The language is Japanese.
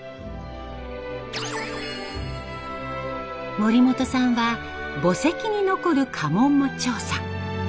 森本さんは墓石に残る家紋も調査。